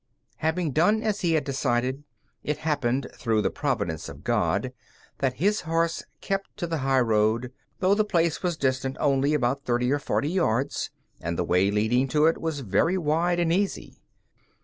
Having done as he had decided, it happened through the Providence of God that his horse kept to the highroad, though the place was distant only about thirty or forty yards, and the way leading to it was very wide and easy.